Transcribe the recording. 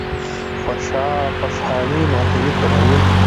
خوشالي ناهیلي کموي.